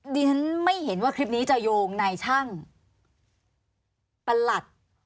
ดิฉันไม่เห็นว่าคลิปนี้จะโยงในช่างประหลัด